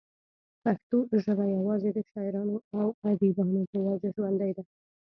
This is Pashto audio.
پښتو ژبه يوازې دَشاعرانو او اديبانو پۀ وجه ژوندۍ ده